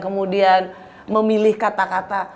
kemudian memilih kata kata